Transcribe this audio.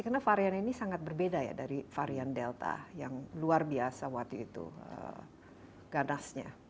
karena varian ini sangat berbeda ya dari varian delta yang luar biasa waktu itu ganasnya